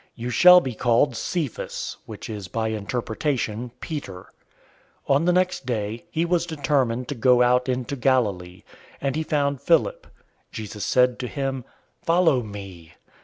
You shall be called Cephas" (which is by interpretation, Peter). 001:043 On the next day, he was determined to go out into Galilee, and he found Philip. Jesus said to him, "Follow me."